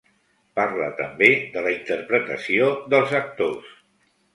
Parla també de la interpretació dels actors.